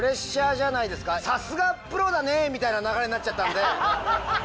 さすがプロだねみたいな流れになっちゃったんで。